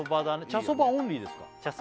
茶そばオンリーですあ